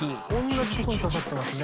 同じ所に刺さってますね。